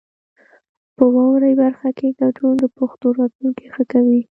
په واورئ برخه کې ګډون د پښتو راتلونکی ښه کوي.